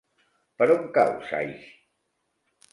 Per on cau Saix?